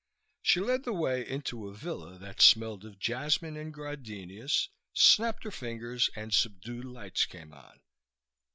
She led the way into a villa that smelled of jasmine and gardenias, snapped her fingers and subdued lights came on.